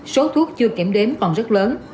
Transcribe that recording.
số thuốc chưa kiểm đếm còn rất lớn